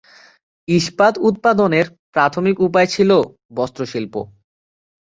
ইস্পাত উৎপাদনের প্রাথমিক উপায় ছিল বস্ত্রশিল্প।